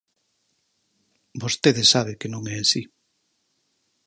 Vostede sabe que non é así.